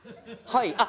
はい。